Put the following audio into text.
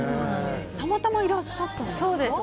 たまたまいらっしゃったんですか。